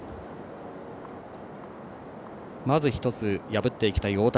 まず１つ、破っていきたい大谷。